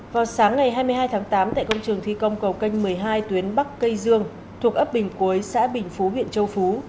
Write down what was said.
vào sáng ngày hai mươi hai tháng tám tại công trường thi công cầu canh một mươi hai tuyến bắc cây dương thuộc ấp bình cuối xã bình phú huyện châu phú